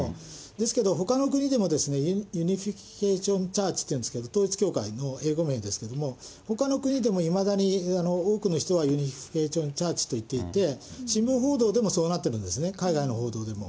ですけど、ほかの国でも、チャーチというんですけど、統一教会英語名ですけれども、ほかの国でもいまだに多くの人は、チャーチと言っていて、新聞報道でもそうなっているんですね、海外の報道でも。